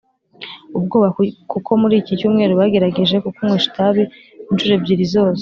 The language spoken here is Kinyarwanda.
Ubwoba kuko muri iki cyumweru bagerageje kukunywesha itabi incuro ebyiri zose